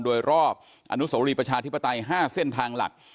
โดยรอบอนุโสรีประชาธิปไตย๕เส้นทางหลัก